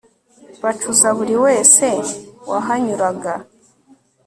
bacuza buri wese wahanyuraga